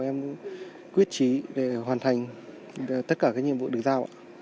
em quyết trí để hoàn thành tất cả các nhiệm vụ được giao